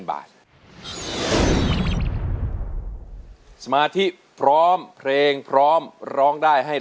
และราฟวิธีที่เป็นของสินคาแมน